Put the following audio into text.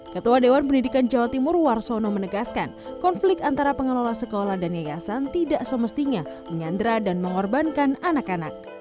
ketua dewan pendidikan jawa timur warsono menegaskan konflik antara pengelola sekolah dan yayasan tidak semestinya menyandra dan mengorbankan anak anak